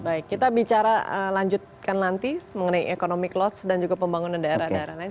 baik kita bicara lanjutkan nanti mengenai economic lots dan juga pembangunan daerah daerah lain